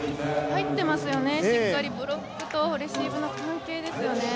入ってますよね、しっかりブロックとレシーブの関係ですよね。